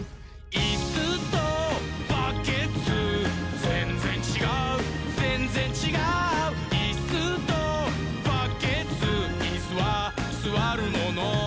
「いっすーとバッケツーぜんぜんちがうぜんぜんちがう」「いっすーとバッケツーイスはすわるもの」